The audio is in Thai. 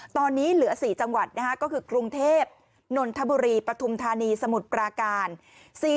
ตอนนี้เหลือ๔จังหวัดก็คือกรุงเทพนนทบุรีปฐุมธานีสมุทรปราการ